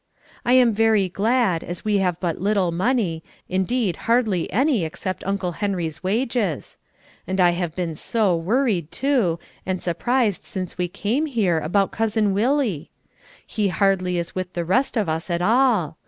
I am very glad, as we have but little money, indeed hardly any except Uncle Henry's wages. And I have been so worried, too, and surprised since we came here about Cousin Willie. He hardly is with the rest of us at all.